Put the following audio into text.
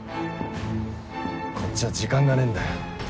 こっちは時間がねえんだよ。